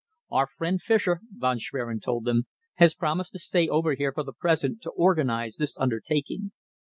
"Our friend Fischer," Von Schwerin told them, "has promised to stay over here for the present to organise this undertaking.